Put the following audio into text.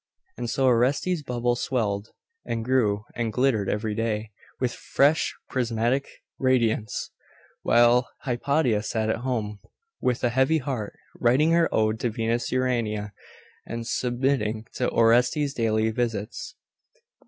And so Orestes's bubble swelled, and grew, and glittered every day with fresh prismatic radiance; while Hypatia sat at home, with a heavy heart, writing her ode to Venus Urania, and submitting to Orestes's daily visits.